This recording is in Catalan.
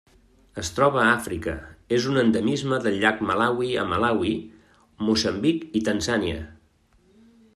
Es troba a Àfrica: és un endemisme del llac Malawi a Malawi, Moçambic i Tanzània.